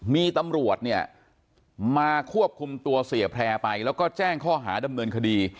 มีตำรวจเนี่ยมาควบคุมตัวเสียแพร่ไปแล้วก็แจ้งข้อหาดำเนินคดี